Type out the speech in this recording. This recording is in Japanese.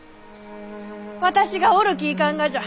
私がおるきいかんがじゃ！